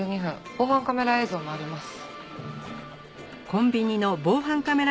防犯カメラ映像もあります。